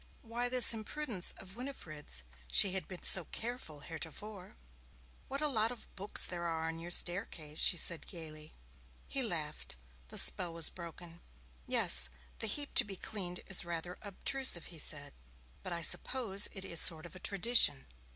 Why this imprudence of Winifred's? She had been so careful heretofore. 'What a lot of boots there are on your staircase!' she said gaily. He laughed. The spell was broken. 'Yes, the heap to be cleaned is rather obtrusive,' he said, 'but I suppose it is a sort of tradition.'